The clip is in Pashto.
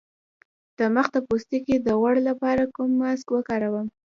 د مخ د پوستکي د غوړ لپاره کوم ماسک وکاروم؟